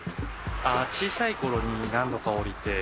小さいころに何度か降りて。